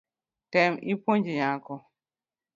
Tem ipuonj nyako